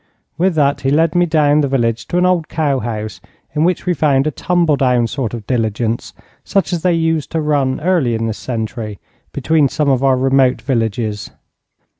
With that he led me down the village to an old cow house, in which we found a tumble down sort of diligence, such as they used to run early in this century, between some of our remote villages.